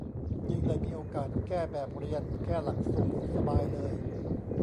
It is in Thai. ยิ่งได้มีโอกาสแก้แบบเรียน แก้หลักสูตร สบายเลย